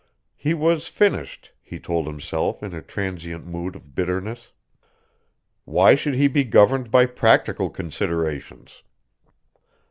He was finished, he told himself in a transient mood of bitterness. Why should he be governed by practical considerations?